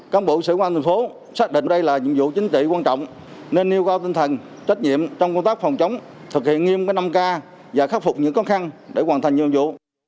các bộ sĩ quan thành phố xác định đây là nhiệm vụ chính trị quan trọng nên nêu cao tinh thần trách nhiệm trong công tác phòng chống thực hiện nghiêm năm k và khắc phục những khó khăn để hoàn thành nhiệm vụ